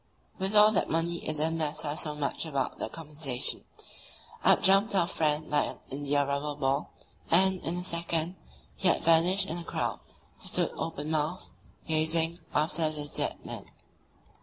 With all that money it didn't matter so much about the compensation; up jumped our friend like an india rubber ball, and in a second he had vanished in the crowd, who stood open mouthed, gazing after the "dead" man.